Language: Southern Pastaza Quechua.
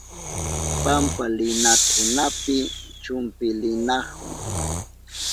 Pampalinkunapi chumpilinahun.